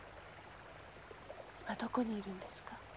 今どこにいるんですか？